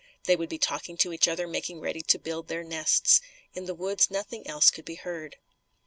They would be talking to each other, making ready to build their nests. In the woods, nothing else could be heard.